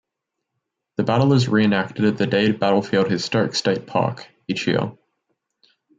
The battle is re-enacted at the Dade Battlefield Historic State Park each year.